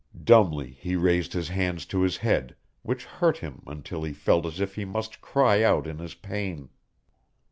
Dumbly he raised his hands to his head, which hurt him until he felt as if he must cry out in his pain.